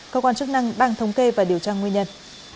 cơ quan chức năng đang thống kê và điều tra nguyên nhân